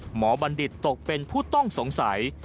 บัณฑิตตกเป็นผู้ต้องสงสัย